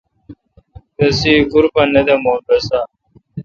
رسی ایکور پہ نہ دامون رس دا۔